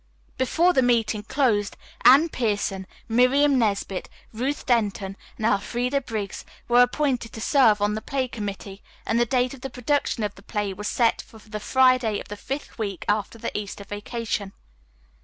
Before the meeting closed, Anne Pierson, Miriam Nesbit, Ruth Denton and Elfreda Briggs were appointed to serve on the play committee and the date of the production of the play was set for the Friday of the fifth week after the Easter vacation.